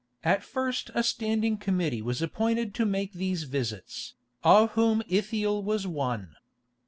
At first a standing committee was appointed to make these visits, of whom Ithiel was one.